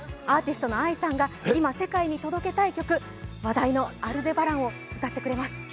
アーティストのＡＩさんが今、世界に届けたい曲話題の「アルデバラン」を歌ってくれます。